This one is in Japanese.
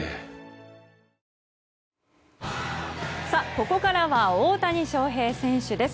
ここからは大谷翔平選手です。